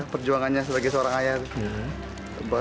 perjuangannya sebagai seorang ayah